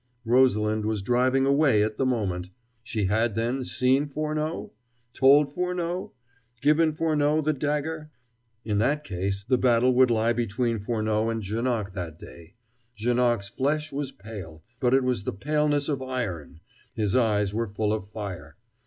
Rosalind was driving away at the moment. She had, then, seen Furneaux? told Furneaux? given Furneaux the dagger? In that case, the battle would lie between Furneaux and Janoc that day. Janoc's flesh was pale, but it was the paleness of iron, his eyes were full of fire.